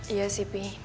iya sih pi